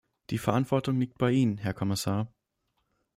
Die Verantwortung liegt bei Ihnen, Herr Kommissar.